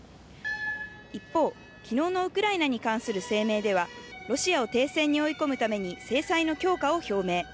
一方、きのうのウクライナに関する声明では、ロシアを停戦に追い込むために制裁の強化を表明。